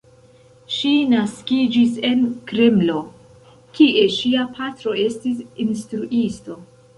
Ŝi naskiĝis en Kremlo, kie ŝia patro estis instruisto.